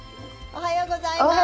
おはようございます。